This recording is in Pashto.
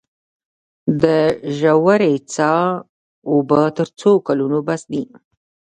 د ژورې څاه اوبه تر څو کلونو بس دي؟